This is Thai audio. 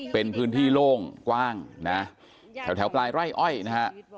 เป็นพื้นที่โล่งกว้างนะแถวปลายไร่อ้อยนะฮะ